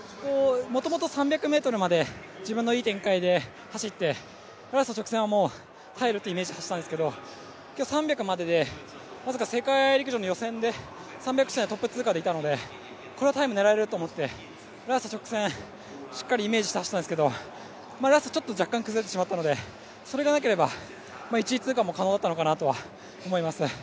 もともと３００ｍまで自分のいい展開で走って、ラスト直線は、耐えるっていうイメージで走ったんですけど、３００まででまさか世界陸上の予選でトップ通過でいたのでこれはタイム狙えると思ってラスト直線しっかりイメージして走ったんですけどラスト、若干崩れてしまったのでそれがなければ、１位通過も可能だったのかなとは思います。